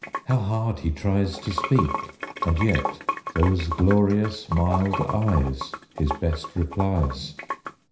How hard he tries To speak! And yet those glorious mild eyes, His best replies!